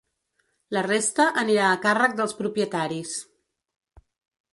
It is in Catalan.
La resta anirà a càrrec dels propietaris.